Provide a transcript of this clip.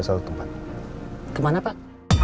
satu tempat kemana pak